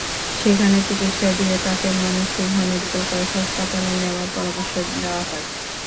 সেখানে চিকিৎসা দিয়ে তাঁকে ময়মনসিংহ মেডিকেল কলেজ হাসপাতালে নেওয়ার পরামর্শ দেওয়া হয়।